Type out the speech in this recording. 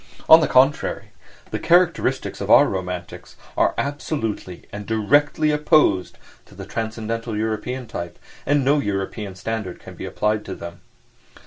On the contrary, the characteristics of our "romantics" are absolutely and directly opposed to the transcendental European type, and no European standard can be applied to them.